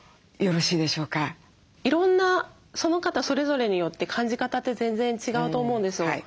いろんなその方それぞれによって感じ方って全然違うと思うんですよ。